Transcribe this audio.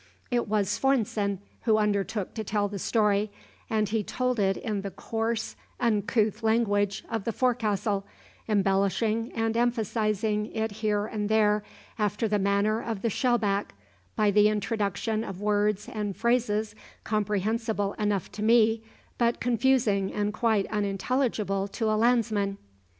It was Svorenssen who undertook to tell the story, and he told it in the coarse, uncouth language of the forecastle, embellishing and emphasising it here and there, after the manner of the shellback, by the introduction of words and phrases comprehensible enough to me but confusing and quite unintelligible to a landsman.